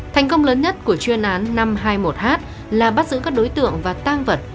thành công lớn nhất của chuyên án năm trăm hai mươi một h là bắt giữ các đối tượng và tang vật